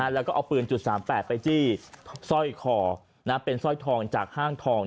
แล้วก็เอาปืน๓๘ไปจี้สร้อยคอเป็นสร้อยทองจากห้างทอง